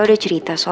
udah ke kamar dulu